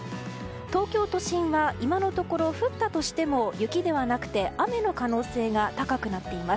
東京都心は今のところ降ったとしても雪ではなくて雨の可能性が高くなっています。